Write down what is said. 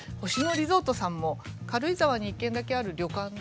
リゾートさんも軽井沢に一軒だけある旅館だった。